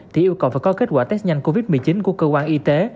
thì yêu cầu phải có kết quả test nhanh covid một mươi chín của cơ quan y tế